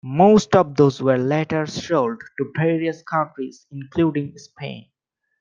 Most of those were later sold to various countries, including Spain.